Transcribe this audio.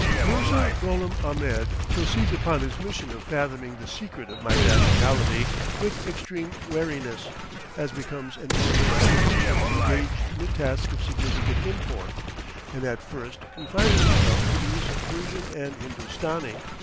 Mirza Gholam Ahmed proceeds upon his mission of fathoming the secret of my nationality with extreme wariness, as becomes an Oriental official engaged in a task of significant import, and at first confines himself to the use of Persian and Hindostani.